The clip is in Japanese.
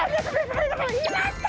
いました！